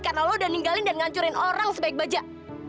karena lo udah ninggalin dan ngancurin orang sebaik bajak